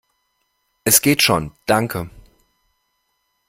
Es geht schon, danke!